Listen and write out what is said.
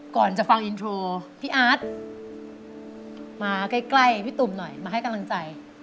ก่อนจะฟังอินโทรพี่อาร์ตมาใกล้พี่ตุ่มหน่อยมาให้กำลังใจ